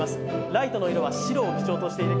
ライトの色は白を基調としている。